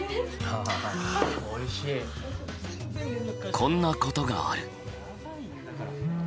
こんなことがある。